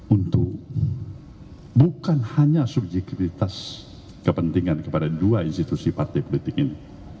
untuk bukan hanya subjektivitas kepentingan kepada dua institusi partai politik ini